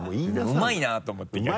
うまいなと思って逆に。